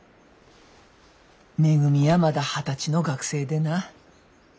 めぐみやまだ二十歳の学生でな。